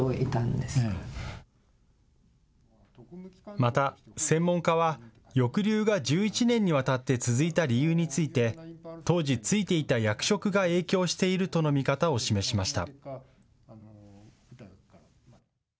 また、専門家は抑留が１１年にわたって続いた理由について当時、就いていた役職が影響しているとの見方を示しました。